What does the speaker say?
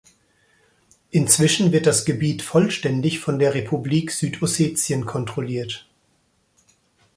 Inzwischen wird das Gebiet vollständig von der Republik Südossetien kontrolliert.